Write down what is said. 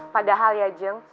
padahal ya jeng